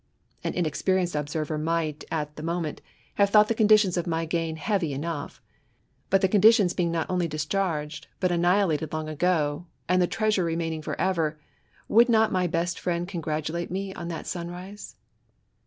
An inexperienced observer tnight^ at the moment^ have thought the conditions of my gain heavy enough ; but the conditions being not only dieh cha!rged^ but annihilated long ago^ and the trea sure remaining for ever, would not my best friend ^congratulate me on that sunrise?